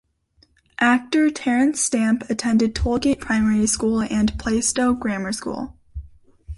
Actor Terence Stamp attended Tollgate Primary School and Plaistow Grammar School.